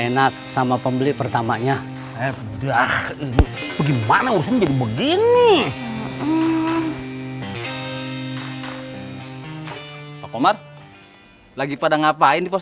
senang sama pembeli pertamanya eh udah gimana usung begini pak omar lagi pada ngapain di pos